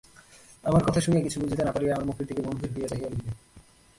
আমার কথা শুনিয়া কিছু বুঝিতে না পারিয়া আমার মুখের দিকে গম্ভীর হইয়া চাহিয়া রহিলি।